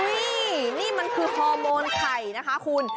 นี่นี่มันคือฮอร์โมนไข่นะคะคุณ